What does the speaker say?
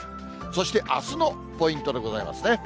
そしてあすのポイントでございますね。